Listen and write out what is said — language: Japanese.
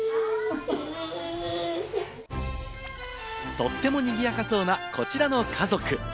とってもにぎやかそうな、こちらの家族。